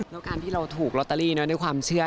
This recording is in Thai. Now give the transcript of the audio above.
แล้วการที่เราถูกโรตารีเนอะในความเชื่อ